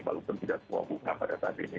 walaupun tidak semua buka pada saat ini